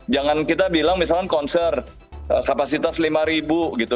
jangan kita bilang misalnya konser kapasitas lima gitu